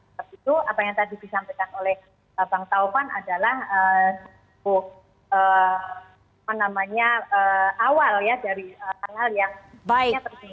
setelah itu apa yang tadi disampaikan oleh bang taopan adalah awal dari hal hal yang tersebut